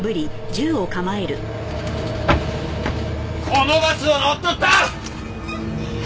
このバスを乗っ取った！